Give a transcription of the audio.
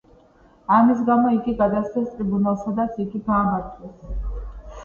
ამის გამო იგი გადასცეს ტრიბუნალს სადაც იგი გაამართლეს.